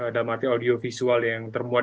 dalam arti audiovisual yang termuat